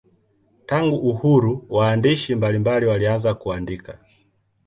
Tangu uhuru waandishi mbalimbali walianza kuandika.